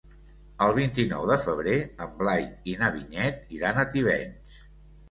El vint-i-nou de febrer en Blai i na Vinyet iran a Tivenys.